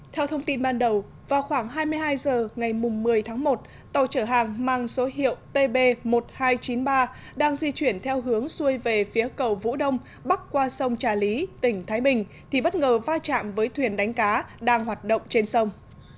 theo thông tin ban đầu vào khoảng hai mươi hai h ngày một mươi tháng một tàu chở hàng mang số hiệu tb một nghìn hai trăm chín mươi ba đang di chuyển theo hướng xuôi về phía cầu vũ đông bắc qua sông trà lý tỉnh thái bình thì bất ngờ va chạm với thuyền đánh cá đang hoạt động trên sông